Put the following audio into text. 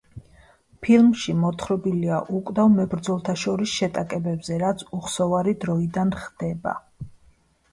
ფილმში მოთხრობილია უკვდავ მებრძოლთა შორის შეტაკებებზე, რაც უხსოვარი დროიდან ხდება.